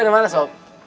lo dari mana sob